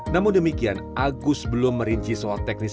namun demikian agus belum merinci soal teknis